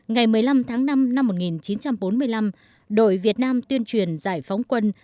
ngày một mươi năm tháng năm năm một nghìn chín trăm bốn mươi năm đội việt nam tuyên truyền giải phóng quân